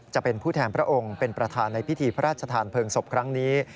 จะเป็นผู้แทนพระองค์เป็นประธานในพิธีพระราชทานเพลิงศพครั้งนี้